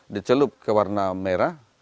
dicelup ke warna merah